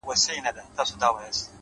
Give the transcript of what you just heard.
ستا سايه چي د کور مخ ته و ولاړه-